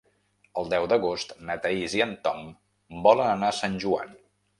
El deu d'agost na Thaís i en Tom volen anar a Sant Joan.